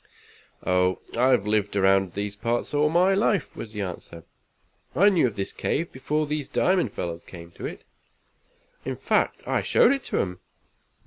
"Oh, I've lived around these parts all my life," was the answer. "I knew of this cave before these diamond fellers came to it. In fact, I showed it to 'em.